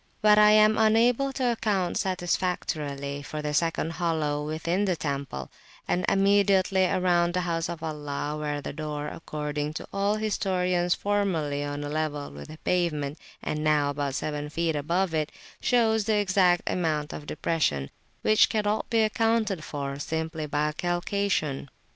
But I am unable to account satisfactorily for the second hollow within the temple, and immediately around the house of Allah, where the door, according to all historians, formerly on a level with the pavement, and now about seven feet above it, shows the exact amount of depression, which cannot be accounted for simply by calcation.